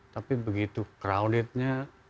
tapi begitu terlalu terlalu terang